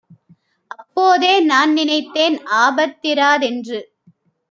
"அப்போதே நான்நினைத்தேன் ஆபத்திரா தென்று.